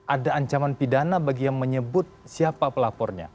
ada ancaman pidana bagi yang menyebut siapa pelapornya